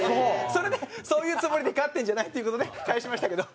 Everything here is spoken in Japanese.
それでそういうつもりで飼ってるんじゃないっていう事で返しましたけど。